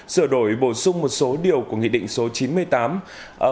sửa đổi bổ sung một số điều của nghị định số chín mươi tám